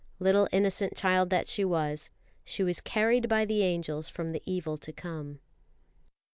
Little innocent child that she was, she was carried by the angels from the evil to come.